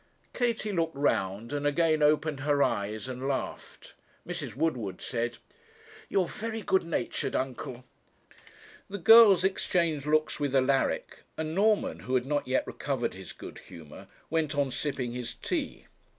Katie looked round, and again opened her eyes and laughed. Mrs. Woodward said, 'You are very good natured, uncle.' The girls exchanged looks with Alaric, and Norman, who had not yet recovered his good humour, went on sipping his tea.